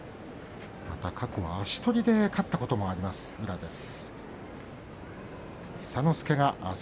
過去は足取りで勝ったこともある宇良です。